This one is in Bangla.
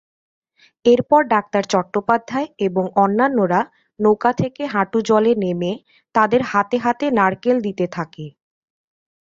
এরপর ডাক্তার চট্টোপাধ্যায় এবং অন্যান্যরা নৌকা থেকে হাঁটু জলে নেমে তাদের হাতে হাতে নারকেল দিতে থাকে।